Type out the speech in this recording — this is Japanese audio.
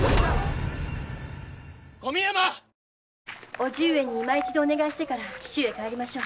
伯父上にいま一度お願いしてから紀州へ帰りましょう。